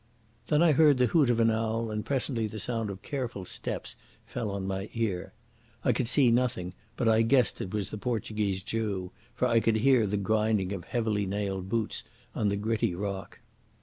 Then I heard the hoot of an owl, and presently the sound of careful steps fell on my ear. I could see nothing, but I guessed it was the Portuguese Jew, for I could hear the grinding of heavily nailed boots on the gritty rock.